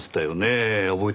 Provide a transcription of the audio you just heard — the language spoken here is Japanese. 覚えてます？